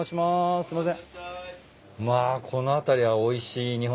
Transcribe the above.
すいません。